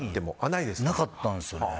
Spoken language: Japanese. なかったんですよね。